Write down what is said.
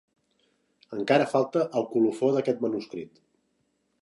Encara falta el colofó d'aquest manuscrit.